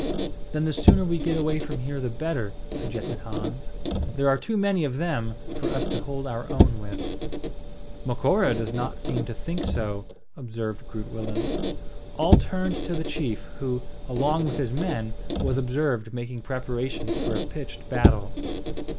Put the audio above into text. "Then the sooner we get away from here the better," suggested Hans. "There are too many of them for us to hold our own with." "Macora does not seem to think so," observed Groot Willem. All turned to the chief, who, along with his men, was observed making preparations for a pitched battle.